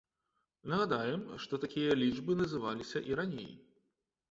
Нагадаем, што такія лічбы называліся і раней.